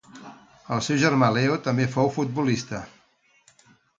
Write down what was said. El seu germà Leo també fou futbolista.